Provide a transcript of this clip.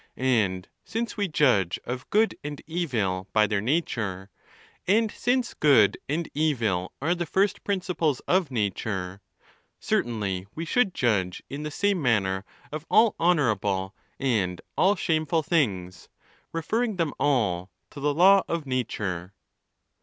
And since we judge of good and evil by their nature, and since good and evil are the first principles of nature, certainly we should judge in the same manner of all honourable and all shameful things, referring them all to the law of nature, De: ON TEE LAWS.